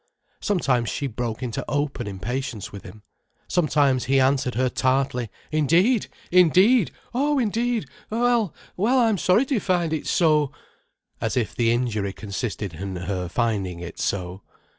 Sometimes she broke into open impatience with him, sometimes he answered her tartly: "Indeed, indeed! Oh, indeed! Well, well, I'm sorry you find it so—" as if the injury consisted in her finding it so.